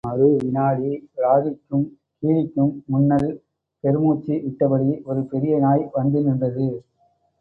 மறு விநாடி ராகிக்கும், கீரிக்கும் முன்னல் பெருமூச்சு விட்டபடி ஒரு பெரிய நாய் வந்து நின்றது.